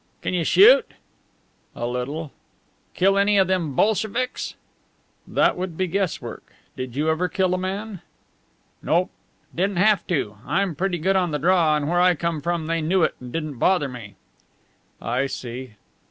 "Can you shoot?" "A little." "Kill any o' them Bolsheviks?" "That would be guesswork. Did you ever kill a man?" "Nope. Didn't have to. I'm pretty good on the draw, and where I come from they knew it and didn't bother me." "I see."